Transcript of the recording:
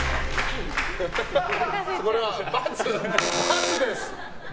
これは×です！